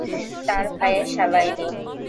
তার ভাইয়ের শালা ইনি।